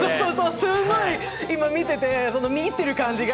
すごい今、見ていて、見入っている感じが。